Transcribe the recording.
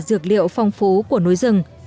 dược liệu phong phú của nối rừng